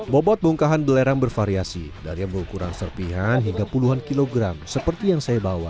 bobot bongkahan belerang bervariasi dari yang berukuran serpihan hingga puluhan kilogram seperti yang saya bawa